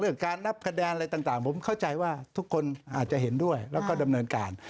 การนับคะแนนอะไรต่างผมเข้าใจว่าทุกคนอาจจะเห็นด้วยแล้วก็ดำเนินการ